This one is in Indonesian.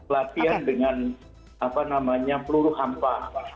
latihan dengan apa namanya peluru hampa